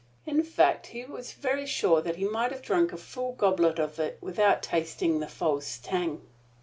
In fact, he was very sure that he might have drunk a full goblet of it without tasting the false tang.